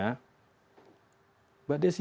mbak desi itu yang namanya kritis